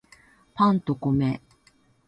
パンと米